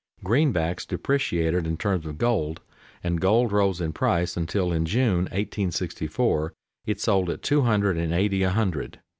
Greenbacks depreciated in terms of gold, and gold rose in price until, in June, 1864, it sold at two hundred and eighty a hundred.